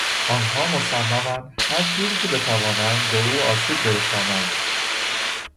آنها مصمماند هرجوری که بتوانند به او آسیب برسانند.